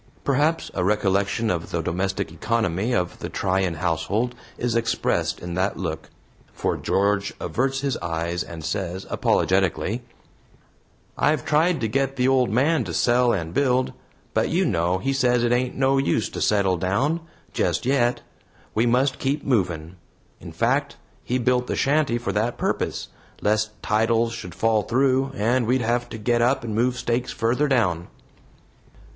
Perhaps a recollection of the domestic economy of the Tryan household is expressed in that look, for George averts his eye and says, apologetically: "I've tried to get the old man to sell and build, but you know he says it ain't no use to settle down, just yet. We must keep movin'. In fact, he built the shanty for that purpose, lest titles should fall through, and we'd have to get up and move stakes further down."